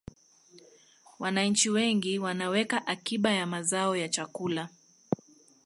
wananchi wengi wanaweka akiba ya mazao ya chakula